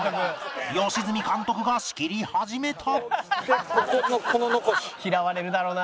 良純監督が仕切り始めた